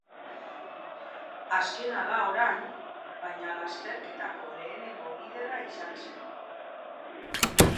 Azkena da orain, baina lasterketako lehenengo liderra izan zen.